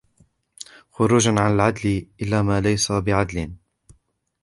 خُرُوجًا عَنْ الْعَدْلِ إلَى مَا لَيْسَ بِعَدْلٍ